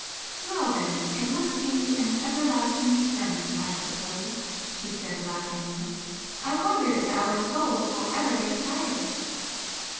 "Well, then, it must be an everlasting skirmish, I suppose!" she said, laughingly, "I wonder if our souls will ever get tired!"